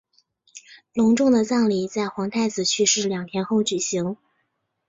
隆重的葬礼在皇太子去世两天后举行。